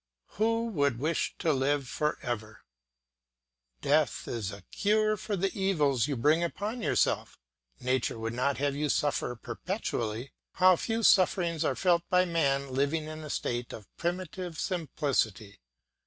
Who would wish to live for ever? Death is the cure for the evils you bring upon yourself; nature would not have you suffer perpetually. How few sufferings are felt by man living in a state of primitive simplicity!